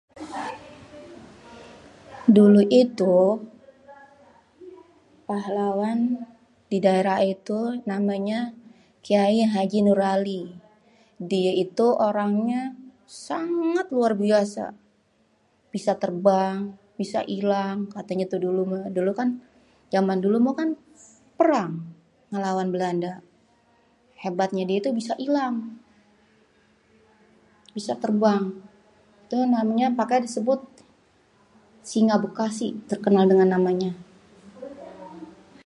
Dulu itu pahlawan di daerah ayé tuh namanya kyai Haji Nur ali. Dié tu orangnya sangat luar biasa, bisa terbang bisa ilang, katanya dulu jaman dulu kan perang ngelawan belanda, hebatnya die tuh bisa ilang, bisa terbang. Itu namanya yang di sebut 'Singa Bekasi' terkenal dengan namanya.